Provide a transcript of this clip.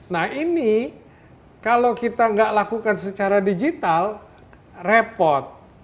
nah ini kalau kita nggak lakukan secara digital repot